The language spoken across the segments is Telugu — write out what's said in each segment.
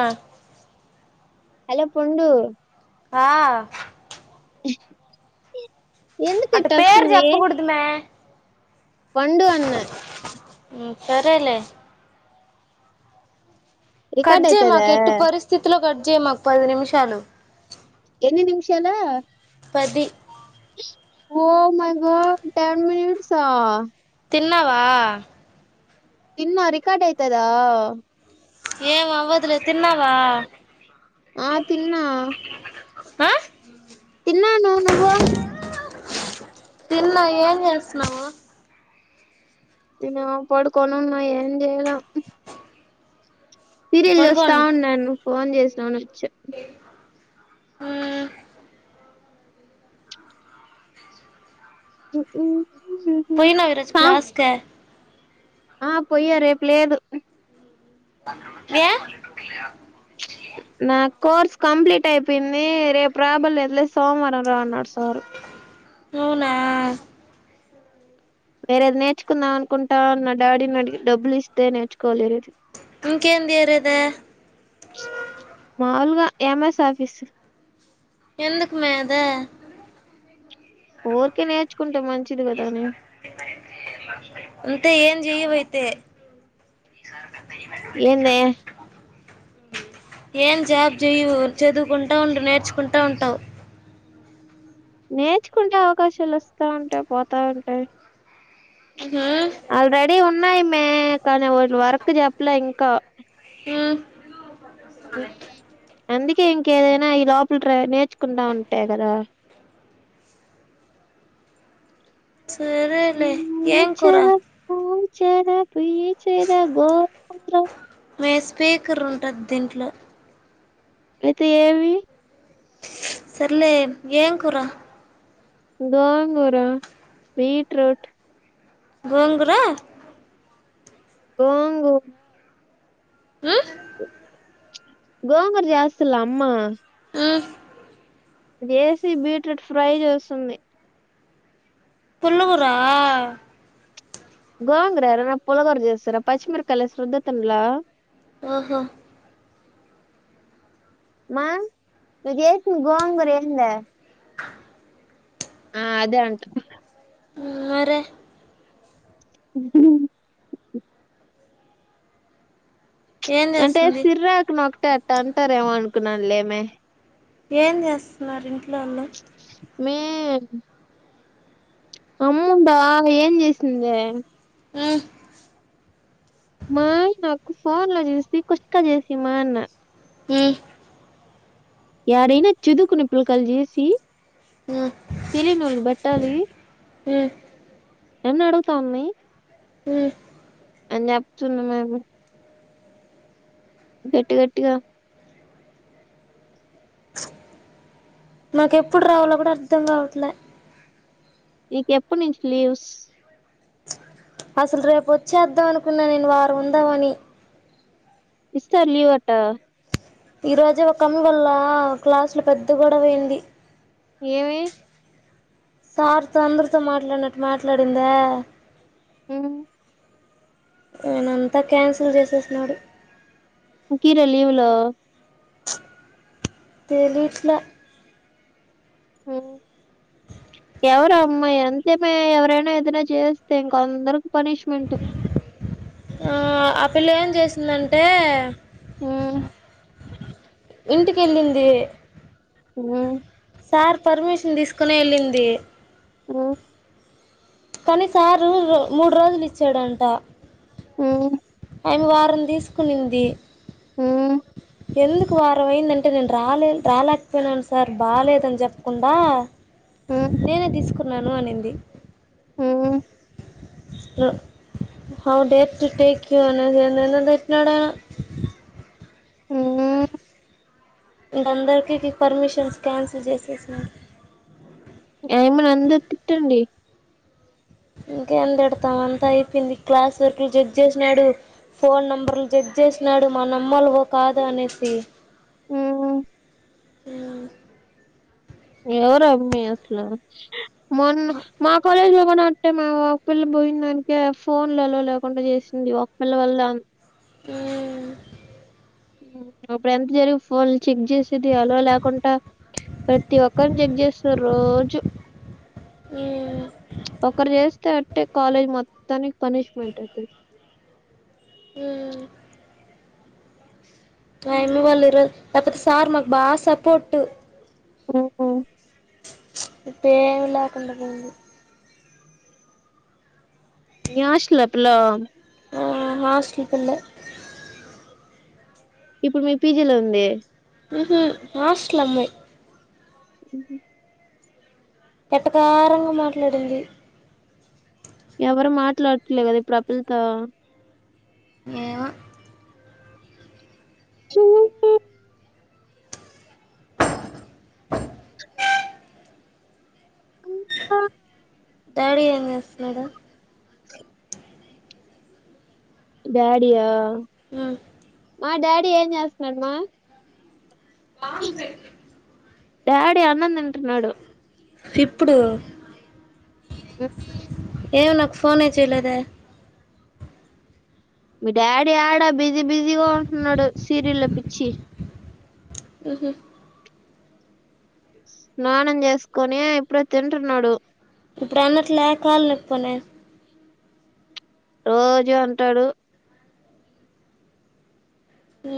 ఆ హలో పండు ఆ ఎందుకు అట్ట పేరు చెప్పకూడదు మే వండు అన్న హు సరేలే రికార్డ్ కడ్జే అయితదా మాకు ఎట్టు పరిస్థితులో క ఇచ్చేయి మాకు పది నిమిషాలు ఎన్ని నిమిషాల పది oh my god ten minutes తిన్నావా ఇన్న రికార్డ్ అయితదా ఏం అవ్వదులే తిన్నావా ఆ తిన్నా ఆ తిన్నాను నువ్వు తిన్న ఏం చేస్తున్నావు? నేన పడుకోనన్న ఏం చేయలా సీరియల్ చూస్తా ఉన్నాను. ఫోన్ చేసానవనీ వచ్చ ఏ ఊ చేప్పు పోయినావా ఈ రోజు క్లాస్ కె ఆ పొయ్య రేపు లేదు ఏ నా కోర్స్ కంప్లీట్ అయిపోయింది రేపు ప్రాబ్లం లేదులేదు సోమవారం రా అన్నాడు సార్ అవునా వేరేది నేర్చుకుందాం అనుకుంటానా డాడీని అడిగి డబ్బులు ఇస్తే నేర్చుకోవాలి ఇంకేం దయరేద మాలుగా ఎంఎస్ ఆఫీస్ ఎందుకు మే అది ఊరికే నేర్చుకుంటాం మంచి [unintelligible] అంతే ఏం జయవై తె ఈస ఏందే ఏం జాబ్ చేయువు, చదువుకుంటూ ఉండు నేర్చుకుంటూ ఉంటావు. నేర్చుకుంటే అవకాశాలు వస్తా ఉంటాయి. పోతా ఉంటాయి. ఆ ఉన్నాయిమ్మె కానీ వాళ్ళు వర్క్ చెప్పలే ఇంకా. మ్ [unintelligible] ఊ అందుకే ఇంకేదైనా ఈ లోపల ట్రై నేర్చుకుంటా ఉంటేయి కదా. సరలే ఏంకురా? చేద పొయ్యి చేదా గోవింద మే స్పీకర్ ఉంటది దీంట్లో. అయితే ఏవి సరలే ఏం కూర గోంగూర బీట్రూట్ గోంగూర గోంగూర మ్మ్ గోంగర జాస్లా అమ్మా ఆ చేసి బీట్రూట్ ఫ్రై చేస్తుంది పుల్లగూర గోంగరా ఎవరైనా పులగూర చేస్తారా పచ్చిమిరకాయ ఏసి రుద్దపనీలా ఓహో మామ్ నువ్వు చేసిన గొంగూర ఏందే ఆ అదే అంట హ్మ్మ్ మరే ఏం అంటే చేస్తుంది సిర్రాకు నాకు అట్టే అట్ట అంటారేమో అనుకున్నాను లేమే ఏం చేస్తున్నారు ఇంట్లోళ్ళు మే అమ్ముంద ఏం చేసిందే మ్మ్ మా నాకు ఫోన్ లో చూసి కుష్క చేసి మా అన్న హ్మ్మ్ యాడైనా చదుకునే పిలకయలు చేసి ఉమ్ తెలినూలు బట్టాలి హ్మ్మ్ నన్ను అడుగుతామీ హ్మ్మ్ అని చెప్తుంది మేము గట్టి గట్టిగా మాకు ఎప్పుడు రావాలో కూడా అర్ధం కావట్లే నీకు ఎప్పటి నుంచి లీవ్స్ అసలు రేపు వచ్చేద్దాం అనుకున్నా నేను వారం ఉందామని ఇస్తరా లీవ్ అట్ట ఈ రోజే ఒక అన్న వల్ల క్లాసులో పెద్ద గొడవ అయింది ఏమి సార్తో అందరితో మాట్లాడినట్టు మాట్లాడిందా హ్మ్మ్ నేనంతా క్యాన్సిల్ చేసేసినడు ఇంకీరా లీవులు తేలిట్లా ఎవరు అమ్మా అంతే మే ఎవరైనా ఏదైనా చేస్తే ఇంకో అందరికి పనిష్మెంట్. ఆ ఆ పిల్ల ఏం చేసిందంటే హ్మ్మ్ ఇంటికి ఎళ్ళింది హ్మ్మ్ సార్ పర్మిషన్ తీసుకునే వెళ్ళింది ఆమ్ కానీసారు మూడు రోజులు ఇచ్చాడంట ఆమ్ ఆమె వారం తీసుకునింది ఆమ్ ఎందుకు వారం అయిందంటే నేను రాలే రాలేకపోయినాను సార్ బాగాలేేదని చెప్పకుండా నేనే తీసుకు కున్నాను అనింది హౌడేట్ టేక్ యూ అని నన్నెందుకు తిట్టినాడు హమ్మ్ ఇంక అందరికీ పర్మిషన్స్ క్యాన్సిల్ చేసేసినాడు ఆయమ్మని అందరు తిట్టండి ఇంకేం తిడతాం అంతా అయిపోయింది క్లాస్ వర్క్లు జడ్జ్ చేసినాడు ఫోన్ నెంబర్లు జడ్జ్ చేసినాడు మన అమ్మోళ్ళవో కాదో అనేసి హ్మ్ ఎవరు అమ్మి అసలు మోనా మా కాలేజ్లో ఫొనట్టే మేము ఒకపిల్ల పోయినదానికీ ఫోన్లు అలో లేకుండా చేసింది ఒకపిల్ల వల్లే అం హ్మ్ అప్పుడు ఎంత జరిగి ఫోన్లు చెక్ చేసేది అలో లేకుండా ప్రతి ఒక్కరుని చెక్ చేస్తారు రోజు మ్మ్ ఒకరు చేస్తే అట్టే కాలేజ్ మొత్తని పనిష్మెంట్ అయితే హ్మ్ ఆయమ్మ వల్ల ఈరోజ్ అప్పటి సార్ మాకు బాగా సపోట్టు ఓహ ఇప్పుడేం లేకుండా పోయింది మీ హాస్టల్ ఆ పిల్ల ఆ మా హాస్టల్ పిల్లే ఇప్పుడు మీ పీజీలో ఉంది మోస్లమ్మె హ్మ్ పట్టకారంగా మాట్లాడింది ఎవరు మాట్లాడట్లే కదా ఇప్పుడు ఆ పిల్లతో ఏమో చూసే [unintelligible] డాడీ ఏంచేస్తున్నాడు డాడీ యా మ్మ్ మా డాడ్ ఏం చేస్తున్నాడమ్మా మామిడి సెట్లు డాడీ అన్నం తిం టున్నాడు ఇప్పుడు గతి ఏమే నాకు ఫోనే చేయలేదే మీ డాడీ ఆడా బి ఇది బిజీగా ఉంటున్నాడు సీరియల్ పిచ్చి ఉహు నానం చేసుకొని ఇప్పుడే తింటున్నాడు ఇప్పుడు అన్నట్లా కాల్ న పోన రోజు అంటాడు ఉ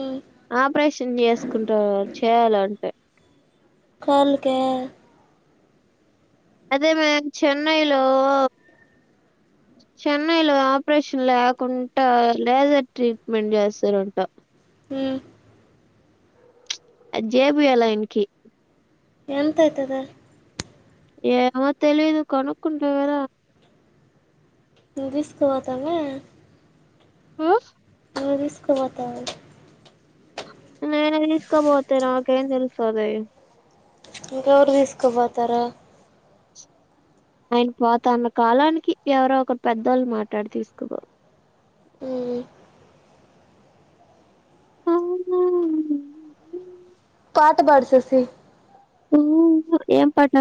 ఆపరేషన్ చేసుకుంట చేయాల అంటే కాల్ కి అదే మే చెన్నైలో చెన్నై లో ఆపరేషన్ లేకుండా లేజర్ ట్రీట్మెంట్ చేస్తారంటా ఉ అ జెపియ్యాల ఆయనకి ఎంత అయితదా ఏమో తెలియదు కొనుకుంట కదా ఇ తీస్కుపోతామా ఆ నువ్వు తీసుకుపోతావా నేను తీసుకోపోతే నాకేం తెలుస్తది ఇంకెవరు తీసుకుపోతారు ఆయన పాత అన్న కాలానికి ఎవరో ఒక పెద్దోళ్ళు మాట్లాడి తీసుకు ఉ ఆ పాట పాడు శశి ఉ ఏం పాట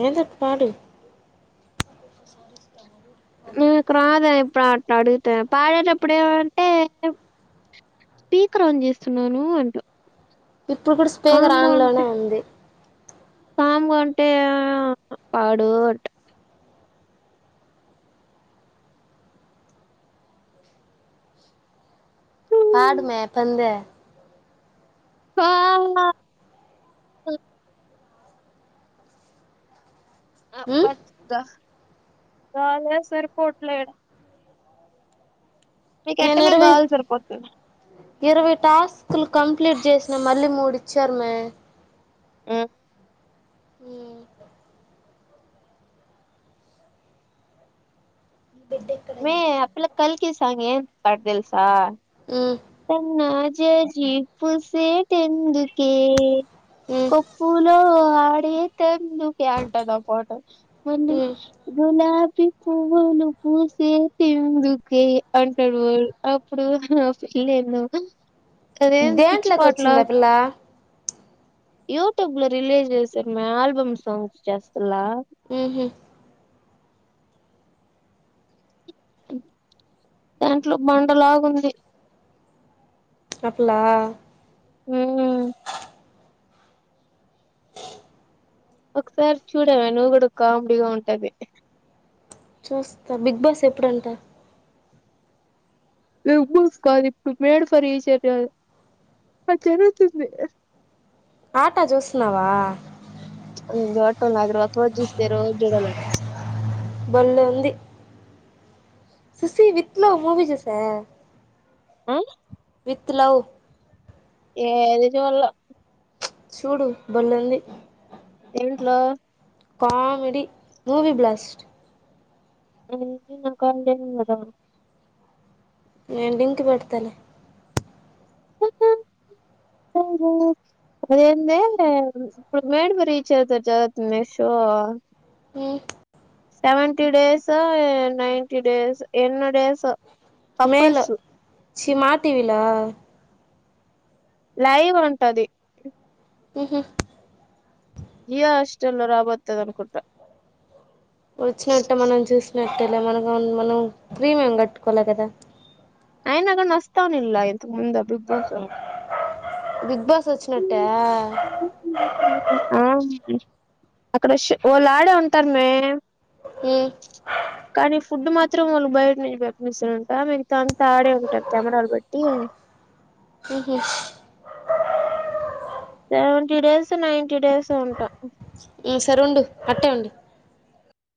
ఏందోటి పాడు నీకు రాదే ట్లా అడుగుతా పాడేటప్పుడు ఏమంటే స్పీకర్ ఆన్ చేస్తున్నాను అంట ఇప్పుడు కూడా స్పీకర్ ఆన్ లోనే ఉంది కామంటే పాడు అంట పాడుమే పంది ఆ ఆ మ్మ్ బద్దా గాలే సరిపోట్లే నేను నీకేట్టమే ఇరవై కాల్ సరిపోతు ఇరవై టాస్క్లు కంప్లీట్ చేసిన మళ్ళీ మూడు ఇచ్చారు మే ఉ ఊమ్ మే ఆ పిల్ల కల్ కీ సాంగ్ ఏం పాట్ తెల్సా మ్మ్ కన్నా జాజీ పూసేటెందుకే మ్మ్ కొప్పులో ఆ పడీతే ఎందుకే అంటాద్ ఆ పాట మళ్ళీ మ్మ్ గులా పి పువ్వులు పుసేటెందుకే అంటాడు వాడు అప్పుడు హిల్ ఎన్నోక దేంట్లోకి వచ్చింది ఆ పిల్ల యూట్యూబ్ లో రిలీజ్ చేశారుమే ఆల్బమ్ సాంగ్స్ చేస్తల్లా ఉహు దాంట్లో బండలాగుంది ఆ పిల్లా మ్మ్ ఒకసారి చూడవ నువ్వు కూడా కామెడీగా ఉంటది చూస్తా బిగ్ బాస్ ఎప్పుడంట బిగ్ బాస్ కాదు ఇప్పుడు మేడ్ ఫర్నీ ఈచ్ ఆథర్ అది జరుగుతుంది ఆటా చూస్తున్నావా చూడటంలే అది ఒక రోజు చూసి తే రోజు చూడాలనిపిస్ సుశీ విట్లో మూవీ జూసా ఆ విత్ లవ్ ఏది చూడలా చూడు భల్లే ఉంది దేంట్లో కామెడి మూవి బ్లాస్ట్ [unintelligible] ఉన్నదా నేను లింక్ పెడతాలే [unintelligible] అదేంది ఇప్పుడు మేడ్ ఫర్ ఈచ్ అథర్ జరుగుతుంది మే షో ఆ ఉమ్ సెవెన్ టీ డేసో నైన్టీ డేసో ఎన్నో డేస్ మే లో ఛీ మా టీ వీ లో లైవ్ ఉంటది ఊహూ జియో హాస్టర్ లో రాబోతది అనుకుంట వచ్చినట్టు మనం చూస్ నట్టలే మనకు మనం ప్రీమియం కట్టుకోలా కదా ఐనాగానీ ఓస్తా ఉనిండ్ల ఇంతకు ముందు బిగ్ బాసు బిగ్ బాస్ స్ ఓచ్చినట్టా ఆ అక్కడ షా ఒళ్ళు ఆడే ఉంటరు మే హమ్ కానీ ఫుడ్ మాత్రం వాళ్ళు బయట నుండి పంపిస్తారంట తాడే ఉంటారు కెమెరాలు బేట్టి సెవెంటీ డేస్ నైన్టీ డేస్ ఒ ఉంట హమ్ సర్ ఉండు అట్టే ఉండు